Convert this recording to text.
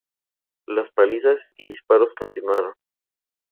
Las palizas y disparos continuaron.